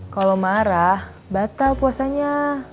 kalau marah batal puasanya